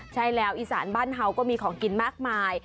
ใช่แล้วอีสานบ้านเฮาก็มีของกินมากมาย